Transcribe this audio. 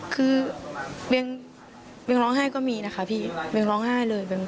คือเวียงร้องไห้ก็มีนะคะพี่เวียงร้องไห้เลย